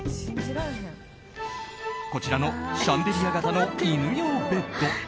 こちらのシャンデリア型の犬用ベッド。